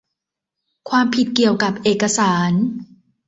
ความผิดเกี่ยวกับเอกสาร